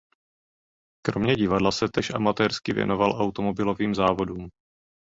Kromě divadla se též amatérsky věnoval automobilovým závodům.